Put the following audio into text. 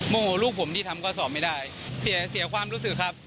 โมโหลูกผมที่ทำข้อสอบไม่ได้เสียความรู้สึกครับ